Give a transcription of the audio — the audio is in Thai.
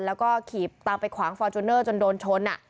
แล้วก็ขี่ตามไปขวางฟอร์จูเนอร์จนโดนชน